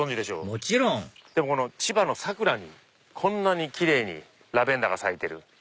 もちろんでも千葉の佐倉にこんなにキレイにラベンダーが咲いてる。